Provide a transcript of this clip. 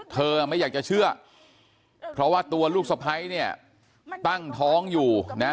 เธอไม่อยากจะเชื่อเพราะว่าตัวลูกสะพ้ายเนี่ยตั้งท้องอยู่นะฮะ